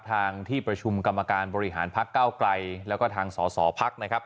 ทางที่ประชุมกรรมการบริหารพักเก้าไกลแล้วก็ทางสอสอพักนะครับ